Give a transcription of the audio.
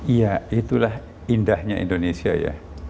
iya itulah indahnya indonesia ya